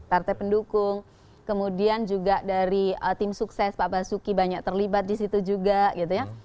partai pendukung kemudian juga dari tim sukses pak basuki banyak terlibat di situ juga gitu ya